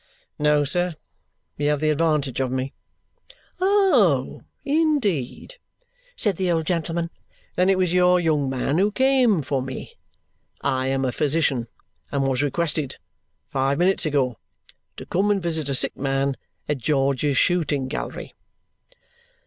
"No, sir. You have the advantage of me." "Oh, indeed?" said the old gentleman. "Then it was your young man who came for me. I am a physician and was requested five minutes ago to come and visit a sick man at George's Shooting Gallery."